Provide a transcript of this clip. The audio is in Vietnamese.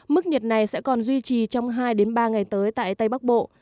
mức nhiệt này sẽ còn duy trì trong hai ba ngày tới tại tây bắc bộ